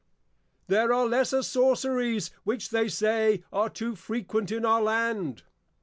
There are lesser Sorceries which they say, are too frequent in our Land.